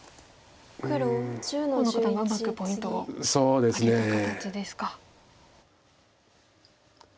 河野九段がうまくポイントを挙げた形ですか。